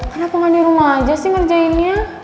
kenapa gak dirumah aja sih ngerjainnya